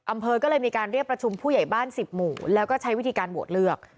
อำเภอก็เลยมีการเรียกประชุมผู้ใหญ่บ้าน๑๐หมู่แล้วก็ใช้วิธีการโหวตเลือก